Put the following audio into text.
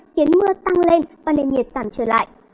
khiến mưa tăng lên và nền nhiệt giảm trở lại